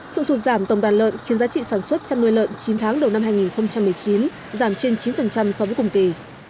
sự sụt giảm tổng đàn lợn khiến giá trị sản xuất chăn nuôi lợn chín tháng đầu năm hai nghìn một mươi chín giảm trên chín so với cùng kỳ